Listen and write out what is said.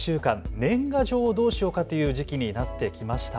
年賀状をどうしようかという時期になってきました。